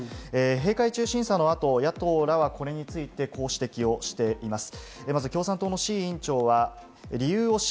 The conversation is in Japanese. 閉会中審査の後、野党らはこれについてこう指摘しています。